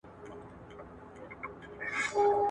په جاپان کې میل اکثر وریجې وي.